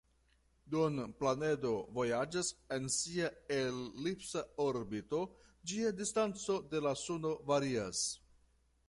Dum planedo vojaĝas en sia elipsa orbito, ĝia distanco de la suno varias.